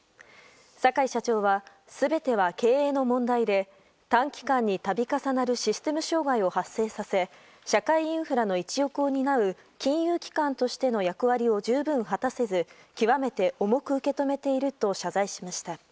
坂井社長は全ては経営の問題で短期間に度重なるシステム障害を発生させ社会インフラの一翼を担う金融機関としての役割を十分果たせず極めて重く受け止めていると謝罪しました。